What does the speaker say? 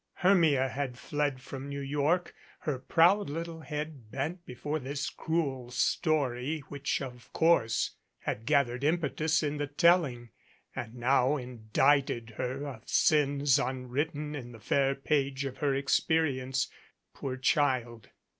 Hermia had fled from New York, her proud little head bent before this cruel story which, of course, had gathered impetus in the telling and now indicted her of sins un written in the fair page of her experience. Poor child!